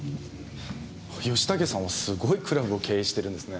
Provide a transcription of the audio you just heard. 吉武さんはすごいクラブを経営してるんですね。